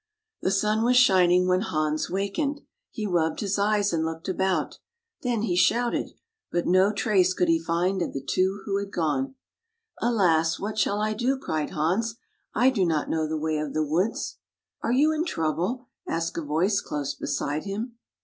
The sun was shining when Hans wakened. He rubbed his eyes and looked about. Then he shouted. But no trace could he find of the two who had gone. [ 90 ] THE TORTOISE SHELL CAT " Alas, what shall I do,*' cried Hans. " I do not know the way of the woods." " Are you in trouble? " asked a voice close beside him.